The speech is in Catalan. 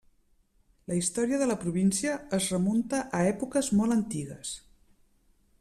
La història de la província es remunta a èpoques molt antigues.